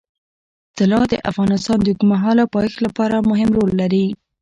طلا د افغانستان د اوږدمهاله پایښت لپاره مهم رول لري.